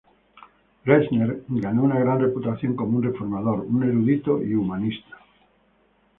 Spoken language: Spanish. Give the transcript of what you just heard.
Gesner ganó una gran reputación como un reformador, un erudito y humanista.